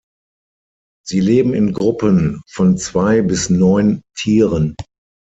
Sie leben in Gruppen von zwei bis neun Tieren.